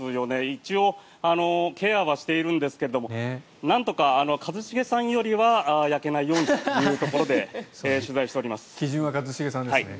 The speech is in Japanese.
一応、ケアはしているんですけれどもなんとか一茂さんよりは焼けないようにというところで基準は一茂さんですね。